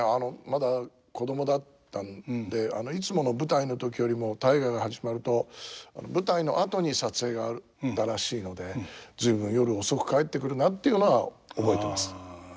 まだ子供だったんでいつもの舞台の時よりも「大河」が始まると舞台の後に撮影があったらしいので「随分夜遅く帰ってくるな」っていうのは覚えてます。